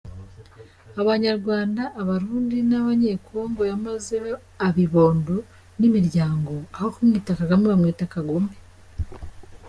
Abanyarwanda Abarundi n’Abanyekongo yamazeho abibondo n’imiryango aho kumwita Kagame bamuhimba “Kagome”!